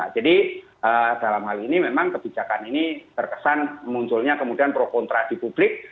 jadi dalam hal ini memang kebijakan ini terkesan munculnya kemudian pro kontra di publik